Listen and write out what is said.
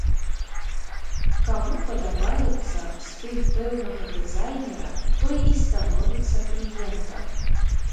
Каму падабаецца стыль пэўнага дызайнера, той і становіцца кліентам.